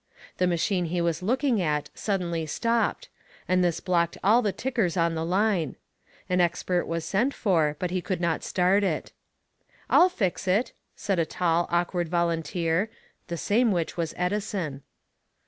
The machine he was looking at suddenly stopped, and this blocked all the tickers on the line. An expert was sent for, but he could not start it. "I'll fix it," said a tall, awkward volunteer, the same which was Edison.